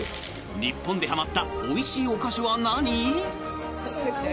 日本ではまったおいしいお菓子は何？